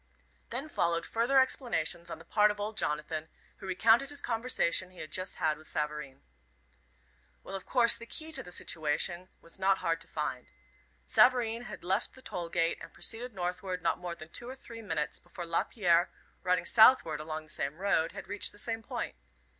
Then followed further explanations on the part of old Jonathan, who recounted the conversation he had just had with Savareen. Well, of course, the key to the situation was not hard to find. Savareen had left the toll gate and proceeded northward not more than two or three minutes before Lapierre, riding southward along the same road, had reached the same point.